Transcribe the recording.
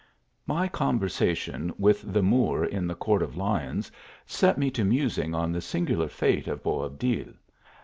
MY conversation with the Moor in the Court of Lions set me to musing on the singular fate of Bo .ibdil.